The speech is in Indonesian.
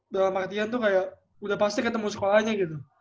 dalam artian tuh kayak udah pasti ketemu sekolahnya gitu